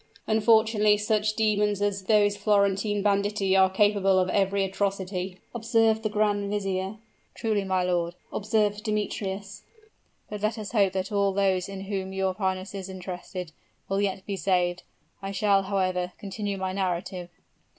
"Unfortunately such demons as those Florentine banditti are capable of every atrocity," observed the grand vizier. "True, my lord," observed Demetrius; "but let us hope that all those in whom your highness is interested, will yet be saved. I shall, however, continue my narrative.